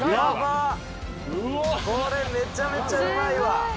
これめちゃめちゃうまいわ。